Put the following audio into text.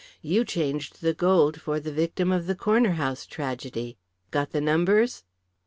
You changed the gold for the victim of the Corner House tragedy. Got the numbers?"